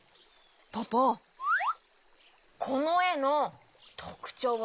ポポこのえのとくちょうをおしえて。